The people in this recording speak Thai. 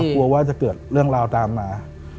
กลัวว่าจะเกิดเรื่องราวตามมา